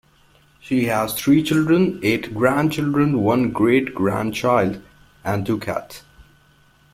She has three children, eight grandchildren, one great-grandchild, and two cats.